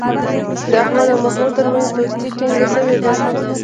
د احمد او محمود ترمنځ دوستي ټینگه شوې ده.